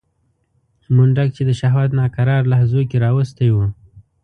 منډک چې د شهوت ناکرار لحظو کې راوستی و.